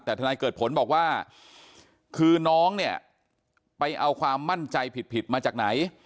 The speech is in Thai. แต่ทนายเกิดผลบอกว่าคือน้องเนี่ยไปเอาความมั่นใจผิดผิดมาจากไหน